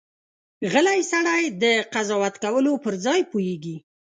غلی سړی، د قضاوت کولو پر ځای پوهېږي.